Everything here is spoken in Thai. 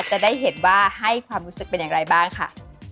จะได้เห็นว่าให้ความรู้สึกเป็นอย่างไรบ้างค่ะ